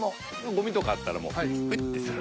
ごみとかあったらもうほいってする。